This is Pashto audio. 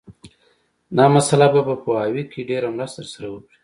دا مسأله به په پوهاوي کې ډېره مرسته در سره وکړي